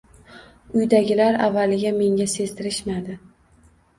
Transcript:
Uydagilar avvaliga menga sezdirishmadi